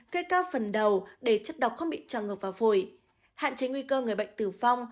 gây cao phần đầu để chất độc không bị trăng ngập vào vội hạn chế nguy cơ người bệnh tử vong